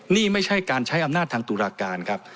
นี่ไม่ใช่การใช้อำนาจทางตุลาการครับ